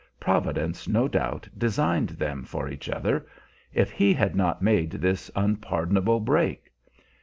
Providence, no doubt, designed them for each other, if he had not made this unpardonable break.